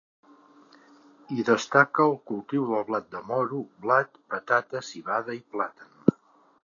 Hi destaca el cultiu del blat de moro, blat, patata, civada i plàtan.